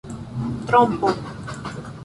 trompo